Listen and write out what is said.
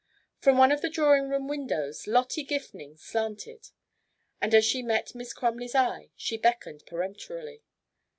From one of the drawing room windows Lottie Gifning slanted, and as she met Miss Crumley's eye, she beckoned peremptorily.